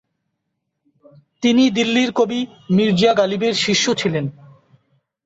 তিনি দিল্লির কবি মীর্জা গালিবের শিষ্য ছিলেন।